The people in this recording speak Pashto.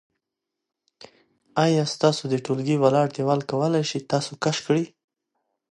آیا ستاسو د ټولګي ولاړ دیوال کولی شي چې تاسو کش کړي؟